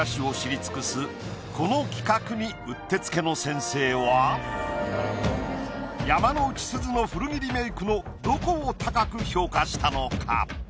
この企画にうってつけの先生は山之内すずの古着リメイクのどこを高く評価したのか？